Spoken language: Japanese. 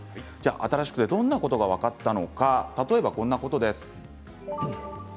新しくどんなことが分かったのか例えば、こんなことです。